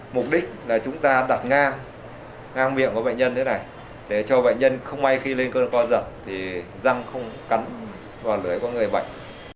mục đích là chúng ta đặt ngang miệng của bệnh nhân thế này để cho bệnh nhân không may khi lên cơn co giật thì răng không cắn vào lưới của người bệnh